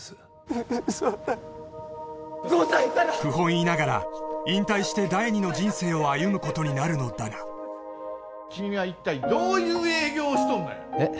ウソだ不本意ながら引退して第２の人生を歩むことになるのだが君は一体どういう営業をしとんのやえっ？